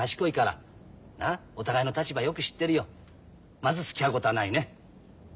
まずつきあうことはないね。